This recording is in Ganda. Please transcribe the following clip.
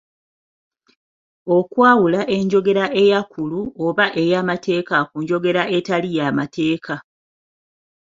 Okwawula enjogera ey'akulu oba ey'amateeka ku njogera etali ya mateeka